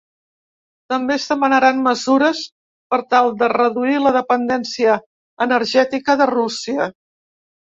També es demanaran mesures per tal de reduir la dependència energètica de Rússia.